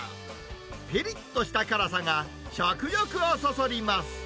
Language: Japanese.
ぴりっとした辛さが食欲をそそります。